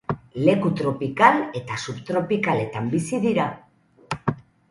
Leku tropikal eta subtropikaletan bizi dira.